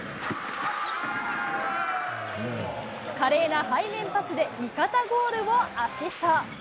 華麗な背面パスで味方ゴールをアシスト。